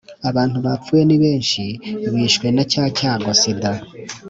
abantu bapfuye ni benshi bishwe na cya cyago sida